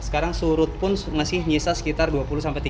sekarang surut pun masih nyisa sekitar dua puluh tiga puluh cm